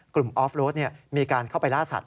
กลุ่มออฟรถมีการเข้าไปล่าสัตว์